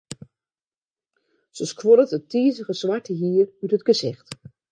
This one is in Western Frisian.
Se skoddet it tizige swarte hier út it gesicht.